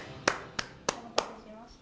お待たせしました。